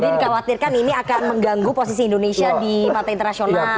jadi dikhawatirkan ini akan mengganggu posisi indonesia di mata internasional gitu